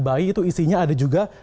bayi itu isinya ada juga